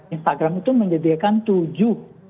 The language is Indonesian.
instagram itu menyediakan tujuh